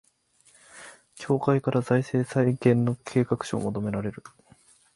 協会から財政再建の計画書を求められる